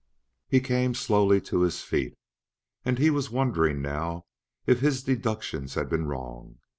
He came slowly to his feet. And he was wondering now if his deductions had been wrong.